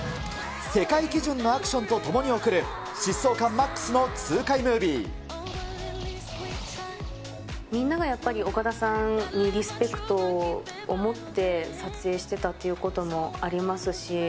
世界基準のアクションとともに送る、疾走感マックスの痛快ムービみんながやっぱり、岡田さんにリスペクトを持って撮影してたということもありますし。